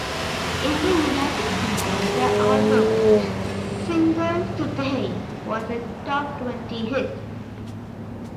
In the United Kingdom, the album's single "Today" was a top-twenty hit.